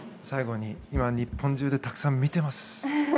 最後に今、日本中でたくさん見ています。